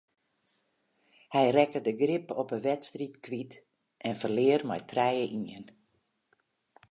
Hy rekke de grip op de wedstryd kwyt en ferlear mei trije ien.